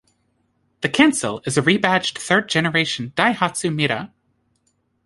The Kancil is a rebadged third generation Daihatsu Mira.